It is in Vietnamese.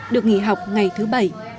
được nghỉ học ngày thứ bảy